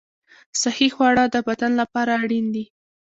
صحي خواړه د بدن لپاره اړین دي.